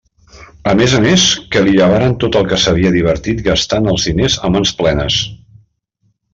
A més a més, que li llevaren tot el que s'havia divertit gastant els diners a mans plenes.